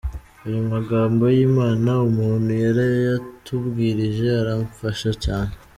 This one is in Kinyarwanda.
Aya magambo y’Imana umuntu yarayatubwirije aramfasha cyane.